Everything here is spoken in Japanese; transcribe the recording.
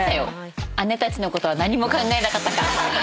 姉たちのことは何も考えなかったか！